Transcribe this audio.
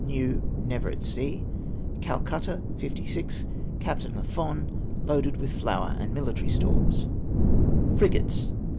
New; never at sea. Ccdcutta, 56, Capt. La Fone. Loaded with flour and mili tary stores. Frigates.